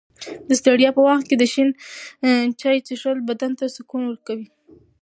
د ستړیا په وخت کې د شین چای څښل بدن ته سکون ورکوي.